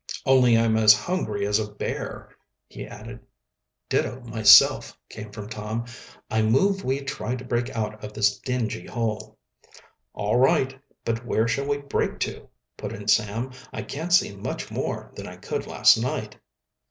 "Only I'm as hungry as a bear," he added. "Ditto myself," came from Tom. "I move we try to break out of this dingy hole." "All right; but where shall we break to?" put in Sam. "I can't see much more than I could last night."